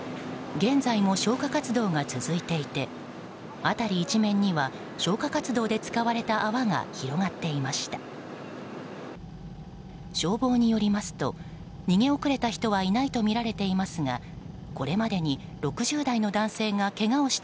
現在も消火活動が続いていて辺り一面には消火活動で使われた泡が広がっていました。